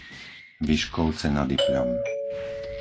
Vyškovce nad Ipľom